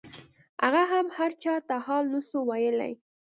هغه هم هرچا ته حال نسو ويلاى.